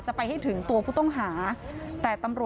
โชว์บ้านในพื้นที่เขารู้สึกยังไงกับเรื่องที่เกิดขึ้น